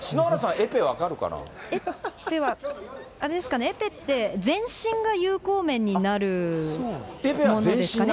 エペは、あれですかね、エペって、全身が有効面になるものですかね。